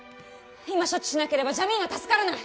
今処置しなければジャミーンは助からない！